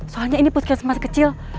soalnya ini puskesmas kecil